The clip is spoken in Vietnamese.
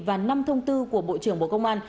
và năm thông tư của bộ trưởng bộ công an